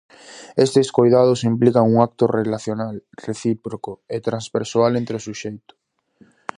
Estes coidados implican un acto relacional, recíproco e transpersoal entre o suxeito.